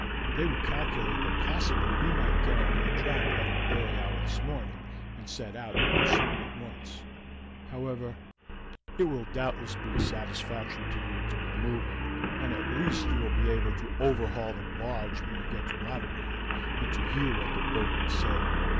They would calculate that possibly we might get on their track at an early hour this morning, and set out in pursuit at once. "However, it will doubtless be a satisfaction to you to be moving, and at least you will be able to overhaul the barge when you get to Rotterdam, and to hear what the boatmen say.